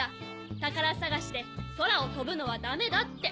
たからさがしでそらをとぶのはダメだって。